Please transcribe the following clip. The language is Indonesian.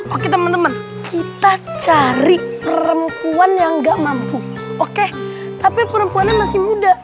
oke teman teman kita cari perempuan yang gak mampu oke tapi perempuannya masih muda